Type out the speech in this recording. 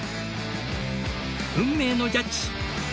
運命のジャッジ！